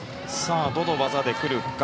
どの技で来るか。